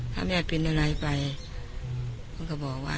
ถ้าแม่เป็นอะไรไปมันก็บอกว่า